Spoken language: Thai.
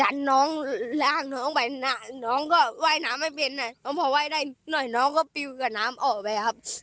น้องก็ว่ายหน้าไม่เป็นพอว่ายได้หน่อยน้องก็ปิวกับน้ำออกไปครับ